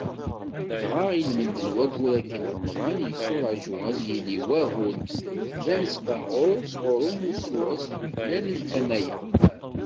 Dɣa ilmend n waggur-agi n Remḍan, yetturaǧu ad yili wahil d anesbaɣur sɣur umussu asdukklan n tama-a.